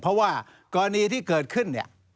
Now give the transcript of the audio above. เพราะว่ากรณีที่เกิดขึ้น